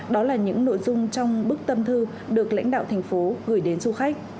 đó là những nội dung trong bức tâm thư được lãnh đạo thành phố gửi đến du khách